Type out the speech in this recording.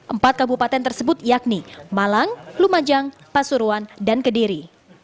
empat kabupaten tersebut yakni malang lumajang pasuruan dan kediri